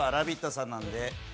さんなんで。